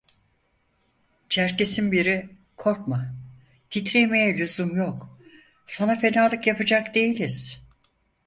Çerkesin biri: - Korkma titremeye lüzum yok, sana fenalık yapacak değiliz!